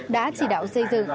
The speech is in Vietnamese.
đã chỉ đạo xây dựng